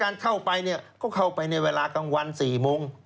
การเข้าไปเนี่ยก็เข้าไปในเวลากลางวัน๔โมง